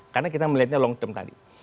karena kita melihatnya long term tadi